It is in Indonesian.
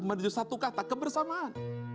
menuju satu kata kebersamaan